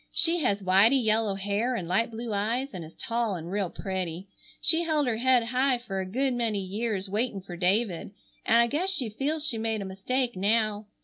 She has whitey yellow hair and light blue eyes and is tall and real pretty. She held her head high fer a good many years waitin' fer David, and I guess she feels she made a mistake now.